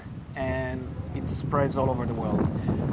yang terbentuk di seluruh dunia